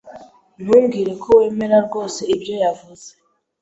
Ntumbwire ko wemera rwose ibyo yavuze.